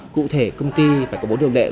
cụ thể công ty phải có bốn điều đệ